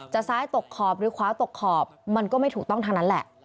ซ้ายตกขอบหรือขวาตกขอบมันก็ไม่ถูกต้องทั้งนั้นแหละ